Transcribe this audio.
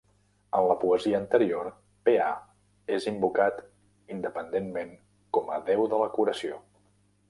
En la poesia anterior, Peà és invocat independentment com a déu de la curació.